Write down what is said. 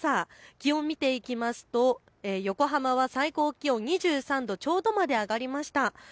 気温を見ていきますと横浜は最高気温２３度ちょうどまで上がりました。